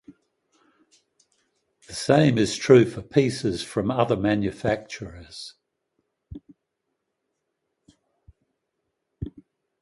The same is true for pieces from other manufacturers.